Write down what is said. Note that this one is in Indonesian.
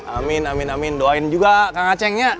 amin amin amin doain juga kang acehnya